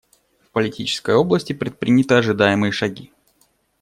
В политической области предприняты ожидаемые шаги.